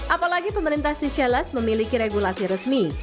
apalagi pemerintah st charles memiliki regulasi resmi